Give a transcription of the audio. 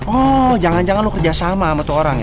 oh jangan jangan lo kerjasama sama tuh orang ya